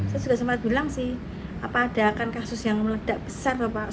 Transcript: saya juga sempat bilang sih apa ada akan kasus yang meledak besar sampai bapak omis adil